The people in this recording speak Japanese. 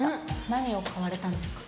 何を買われたんですか？